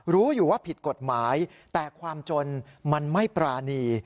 รู้อยู่ว่าผิดกฎหมายแต่ความจนมันไม่ปรานี